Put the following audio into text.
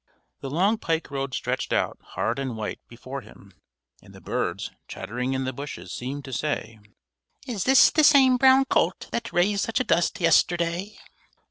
The long pike road stretched out, hard and white, before him, and the birds, chattering in the bushes, seemed to say: "Is this the same brown colt that raised such a dust yesterday?"